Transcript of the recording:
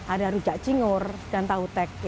ada rujak cingur dan tautek